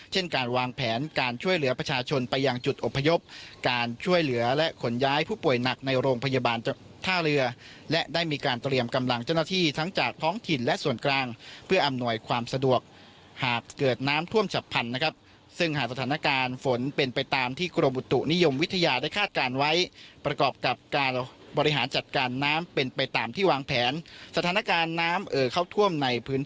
เช่นการวางแผนการช่วยเหลือประชาชนไปอย่างจุดอบพยพการช่วยเหลือและขนย้ายผู้ป่วยหนักในโรงพยาบาลท่าเรือและได้มีการเตรียมกำลังเจ้าหน้าที่ทั้งจากท้องถิ่นและส่วนกลางเพื่ออำนวยความสะดวกหากเกิดน้ำท่วมฉับพันธุ์นะครับซึ่งหาสถานการณ์ฝนเป็นไปตามที่กรมบุตุนิยมวิทยาได้คาดการณ์ไว้